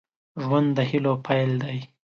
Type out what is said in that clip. ژوند د هيلو پيل دی.